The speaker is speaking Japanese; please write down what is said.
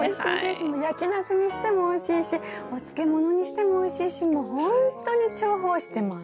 焼きナスにしてもおいしいしお漬物にしてもおいしいしもうほんとに重宝してます。